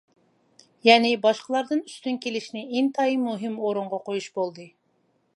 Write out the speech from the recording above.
يەنى، باشقىلاردىن ئۈستۈن كېلىشنى ئىنتايىن مۇھىم ئورۇنغا قويۇش بولدى.